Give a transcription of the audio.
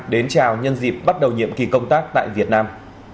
đến chào nhân dịp bắt đầu nhiệm kỳ công tác tại việt nam